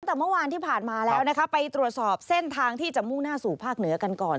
แต่เมื่อวานที่ผ่านมาแล้วนะคะไปตรวจสอบเส้นทางที่จะมุ่งหน้าสู่ภาคเหนือกันก่อน